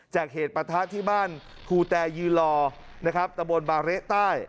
จากเหตุประทานที่บ้านฮูแตยีลอร์ตะบนบาร์เละใต้